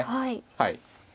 はい。